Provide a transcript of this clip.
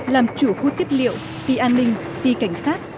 làm chủ khu tiết liệu tỷ an ninh tỷ cảnh sát